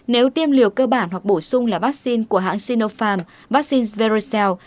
nếu tiêm liều cơ bản hoặc bổ sung là vaccine của hãng sinopharm vaccine sviracel